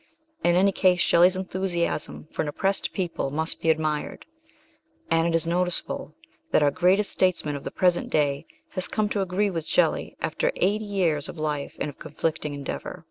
In any case Shelley's enthusiasm for an oppressed people must be admired, and it is noticeable that our greatest statesman of the present day has come to agree with Shelley after eighty years of life and of conflicting endeavour.